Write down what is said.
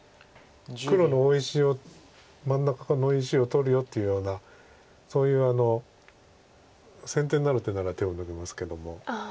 黒の大石を真ん中の石を取るよっていうようなそういう先手になる手なら手を抜きますけども。